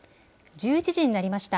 １１時になりました。